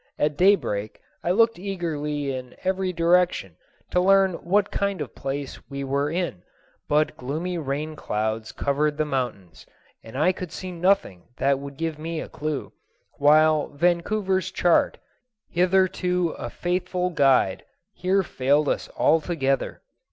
At daybreak I looked eagerly in every direction to learn what kind of place we were in; but gloomy rain clouds covered the mountains, and I could see nothing that would give me a clue, while Vancouver's chart, hitherto a faithful guide, here failed us altogether.